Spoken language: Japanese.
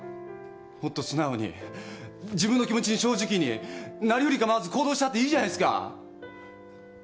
もっと素直に自分の気持ちに正直になりふり構わず行動したっていいじゃないですか。